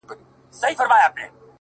وجود مي غم ناځوانه وړی دی له ځانه سره _